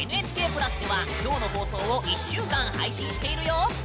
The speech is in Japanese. ＮＨＫ＋ではきょうの放送を１週間配信しているよ。